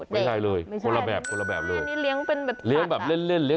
ไม่เห็นเหรอ